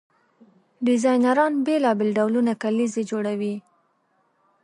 ډیزاینران بیلابیل ډولونه کلیزې جوړوي.